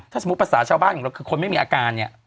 ถ้าสมมุติภาษาชาวบ้านของเราคือคนไม่มีอาการเนี่ย